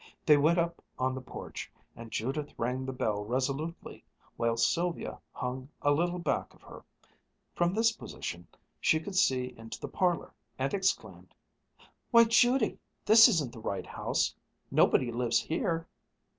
They went up on the porch, and Judith rang the bell resolutely, while Sylvia hung a little back of her. From this position she could see into the parlor, and exclaimed, "Why, Judy, this isn't the right house nobody lives here!"